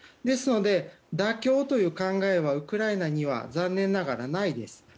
ですので、妥協という考えはウクライナには残念ながらないです。